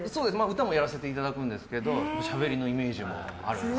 歌もやらせていただくんですけどしゃべりのイメージもあるんです。